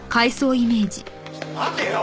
ちょっと待てよ！